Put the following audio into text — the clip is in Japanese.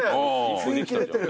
雰囲気出てる。